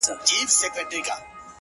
په گيلاس او په ساغر دي اموخته کړم;